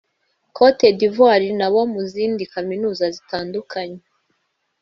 Cote d’Ivoire n’abo mu zindi kaminuza zitandukanye”